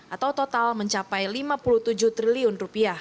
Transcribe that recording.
atau total mencapai rp lima puluh tujuh triliun